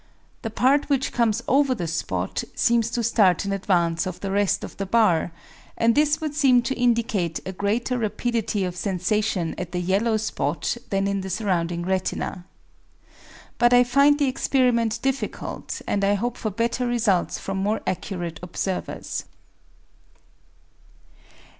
The part which comes over the spot seems to start in advance of the rest of the bar, and this would seem to indicate a greater rapidity of sensation at the yellow spot than in the surrounding retina. But I find the experiment difficult, and I hope for better results from more accurate observers.